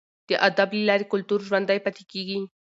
د ادب له لارې کلتور ژوندی پاتې کیږي.